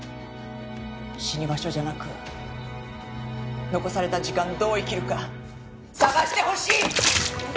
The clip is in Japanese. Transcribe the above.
死に場所じゃなく残された時間どう生きるか探してほしい。